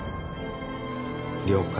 了解